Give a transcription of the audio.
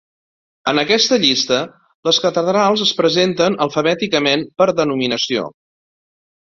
En aquesta llista, les catedrals es presenten alfabèticament per denominació.